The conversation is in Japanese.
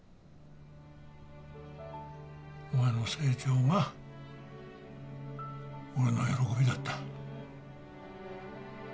お前の成長が俺の喜びだった。